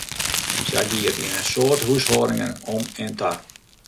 Sa gie it yn in soad húshâldingen om en ta.